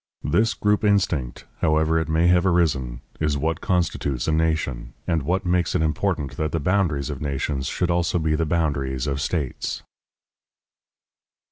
This group instinct, however it may have arisen, is what constitutes a nation, and what makes it important that the boundaries of nations should also be the boundaries of states.